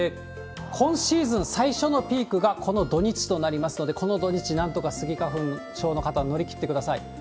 今シーズン最初のピークがこの土日となりますので、この土日、なんとかスギ花粉症の方、乗り切ってください。